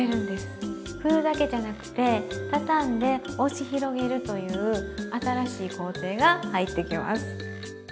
ふるだけじゃなくてたたんで押し広げるという新しい工程が入ってきます。